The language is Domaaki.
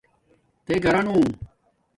تے گھرانو